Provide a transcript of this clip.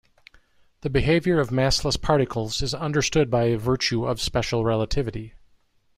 The behavior of massless particles is understood by virtue of special relativity.